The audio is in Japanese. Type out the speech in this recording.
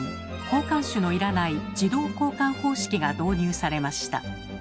交換手の要らない「自動交換方式」が導入されました。